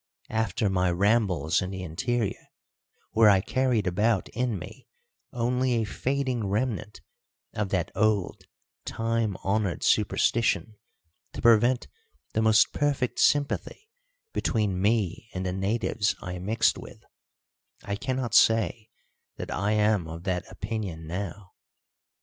After my rambles in the interior, where I carried about in me only a fading remnant of that old time honoured superstition to prevent the most perfect sympathy between me and the natives I mixed with, I cannot say that I am of that opinion now.